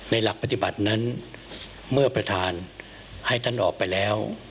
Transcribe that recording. หลักปฏิบัตินั้นเมื่อประธานให้ท่านออกไปแล้ว